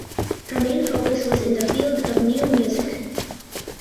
Her main focus was in the field of Neue Musik.